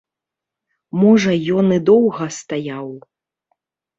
Можа, ён і доўга стаяў.